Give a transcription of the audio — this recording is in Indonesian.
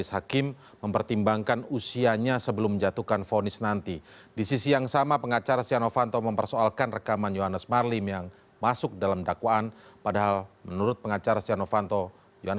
sampai jumpa di video selanjutnya